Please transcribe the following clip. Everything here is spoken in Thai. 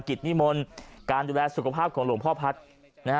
กิจมิมลการดูแลสุขภาพของหลวงพ่อพัฒน์